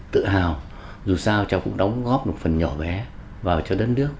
tự hào dù sao cháu cũng đóng góp một phần nhỏ bé vào cho đất nước